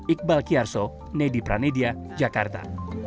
iqbal kiarso nedi pranedia jakarta